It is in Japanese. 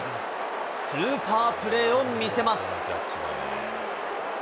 スーパープレーを見せます。